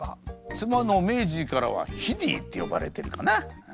妻のメージィーからはヒディーって呼ばれてるかな。